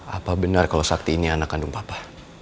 apa benar kalau sakti ini anak kandung papa